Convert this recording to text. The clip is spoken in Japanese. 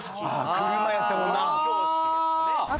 車やったもんな